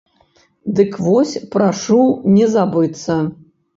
Дык вось прашу не забыцца.